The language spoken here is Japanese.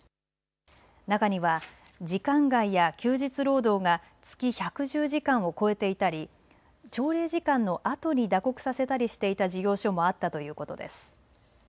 中には時間外や休日労働が月１１０時間を超えていたり朝礼時間のあとに打刻させたりしていた事業所もあったということです。